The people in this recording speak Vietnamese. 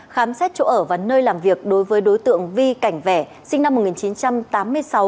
khám xét chỗ ở và nơi làm việc đối với đối tượng vi cảnh vẽ sinh năm một nghìn chín trăm tám mươi sáu